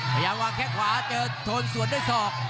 พยายามวางแข้งขวาเจอโทนสวนด้วยศอก